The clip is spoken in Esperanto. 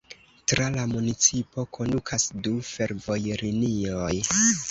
Tra la municipo kondukas du fervojlinioj.